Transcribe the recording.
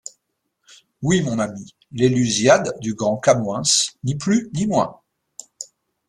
Oui, mon ami, les Lusiades du grand Camoëns, ni plus ni moins!